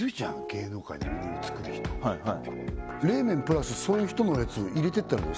芸能界でものを作る人はいはい冷麺プラスそういう人のやつ入れてったらどう？